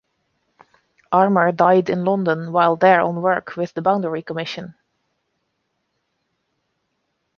Armour died in London while there on work with the Boundary Commission.